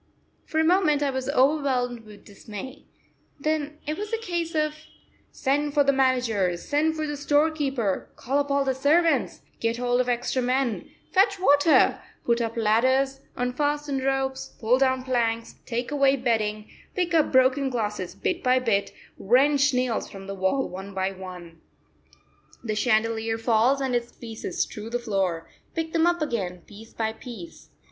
For a moment I was overwhelmed with dismay; then it was a case of send for the manager, send for the storekeeper, call up all the servants, get hold of extra men, fetch water, put up ladders, unfasten ropes, pull down planks, take away bedding, pick up broken glass bit by bit, wrench nails from the wall one by one. The chandelier falls and its pieces strew the floor; pick them up again piece by piece.